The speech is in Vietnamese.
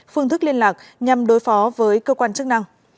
phương thức liên lạc nhằm đối phó với cơ quan chức năng